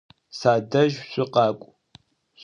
Садэжь шъукъакӏу!